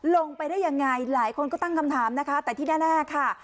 ลงไปได้ยังไงหลายคนก็ตั้งคำถามนะคะแต่ที่แน่ค่ะ